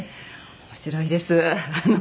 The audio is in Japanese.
面白いですあの。